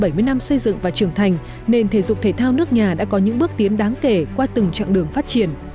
trong bảy mươi năm xây dựng và trưởng thành nền thể dục thể thao nước nhà đã có những bước tiến đáng kể qua từng chặng đường phát triển